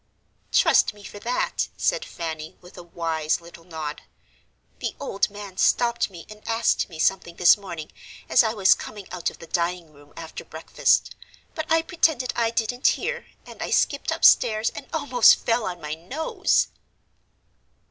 "Trust me for that," said Fanny, with a wise little nod. "The old man stopped me and asked me something this morning, as I was coming out of the dining room, after breakfast, but I pretended I didn't hear, and I skipped upstairs and almost fell on my nose."